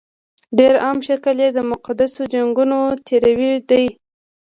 ډېر عام شکل یې د مقدسو جنګونو تیوري ده.